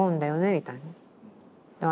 みたいな。